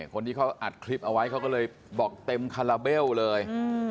คนที่เขาอัดคลิปเอาไว้เขาก็เลยบอกเต็มคาราเบลเลย